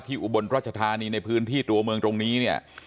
อุบลรัชธานีในพื้นที่ตัวเมืองตรงนี้เนี่ย